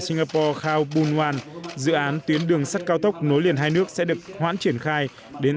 singapore khao bun ngoan dự án tuyến đường sắt cao tốc nối liền hai nước sẽ được hoãn triển khai đến